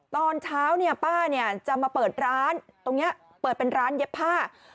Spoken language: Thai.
ตอนเช้าป้าจะมาเปิดร้านตรงนี้เปิดเป็นร้านเย็บผ้า